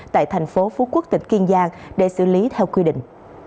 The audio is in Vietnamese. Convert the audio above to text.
tại thành phố phú quốc tỉnh kiên giang để xử lý theo quy định